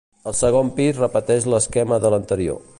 El segon pis repeteix l'esquema de l'anterior.